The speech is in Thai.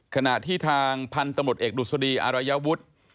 ขณะที่ทางพันธมตร์เอกดุสดีอารยวุฒิ